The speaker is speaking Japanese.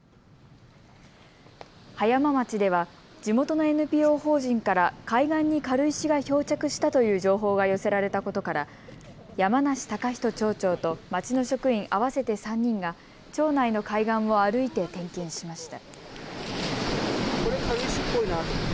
葉山町では地元のＮＰＯ法人から海岸に軽石が漂着したという情報が寄せられたことから山梨崇仁町長と町の職員合わせて３人が町内の海岸を歩いて点検しました。